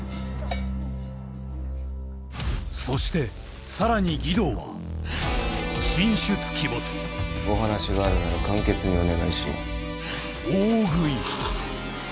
そしてさらに儀藤はお話があるなら簡潔にお願いします。